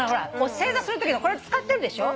正座するときこれ使ってるでしょ？